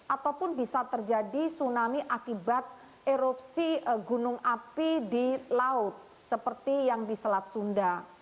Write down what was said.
ataupun bisa terjadi tsunami akibat erupsi gunung api di laut seperti yang di selat sunda